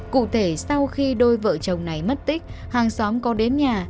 cụ thể sau khi đôi vợ chồng này mất tích hàng xóm có đến nhà